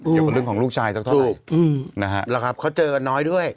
เกี่ยวกับเรื่องของลูกชายสักเท่าไหร่นะฮะแล้วครับเขาเจอกันน้อยด้วย